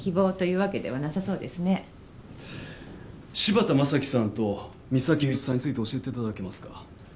柴田雅樹さんと三崎雄一さんについて教えていただけますか？